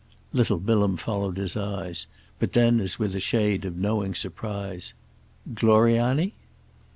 Little Bilham followed his eyes; but then as with a shade of knowing surprise: "Gloriani?"